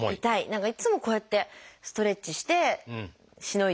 何かいつもこうやってストレッチしてしのいでます。